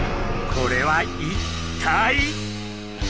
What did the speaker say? これは一体？